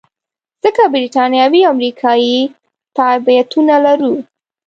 ځکه بریتانوي او امریکایي تابعیتونه لرو.